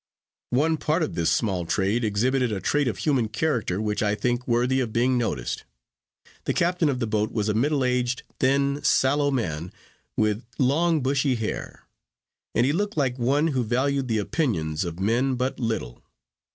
One part of this small trade exhibited a trait of human character which I think worthy of being noticed. The captain of the boat was a middle aged, thin, sallow man, with long bushy hair; and he looked like one who valued the opinions of men but little.